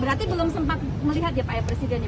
berarti belum sempat melihat ya pak ya presiden ya pak ya